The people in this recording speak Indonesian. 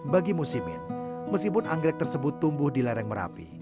bagi musimin meskipun anggrek tersebut tumbuh di lereng merapi